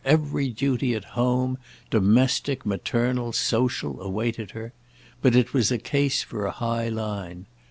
Every duty at home, domestic, maternal, social, awaited her; but it was a case for a high line.